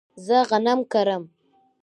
زه غنم کرم